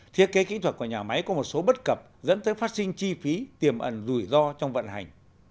thiết kế kỹ thuật của nhà máy có một số bất cập dẫn tới phát sinh chi phí tiềm ẩn rủi ro trong vận hành